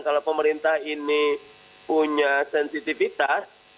kalau pemerintah ini punya sensitivitas